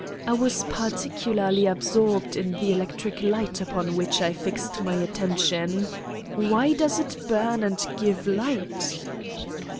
I was partic ularly absorbed in the electric light upon which I fixed my attention: why does it burn and give light?